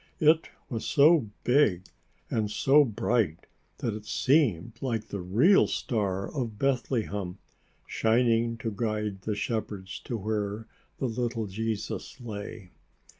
It was so big and so bright that it seemed like the real star of Bethlehem, shining to guide the shepherds to where the little Jesus lay.